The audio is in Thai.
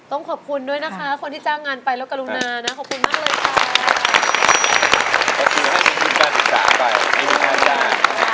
ขอบคุณด้วยนะคะคนที่จ้างงานไปแล้วกรุณานะขอบคุณมากเลยค่ะ